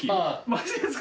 マジですか？